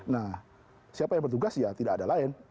nah siapa yang bertugas ya tidak ada lain